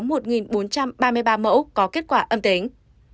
ba mươi ba mẫu có kết quả âm tính